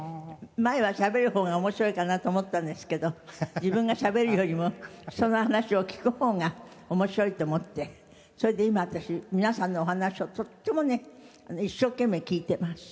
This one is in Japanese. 前はしゃべる方が面白いかなと思ったんですけど自分がしゃべるよりも人の話を聞く方が面白いと思ってそれで今私皆さんのお話をとってもね一生懸命聞いています。